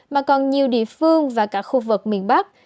mà còn nhiều địa phương và cả khu vực miền bắc